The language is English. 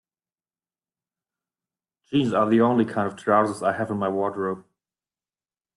Jeans are the only kind of trousers I have in my wardrobe.